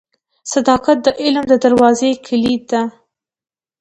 • صداقت د علم د دروازې کلید دی.